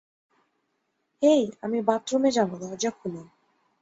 হেই, আমি বাথরুমে যাব, দরজা খোলো।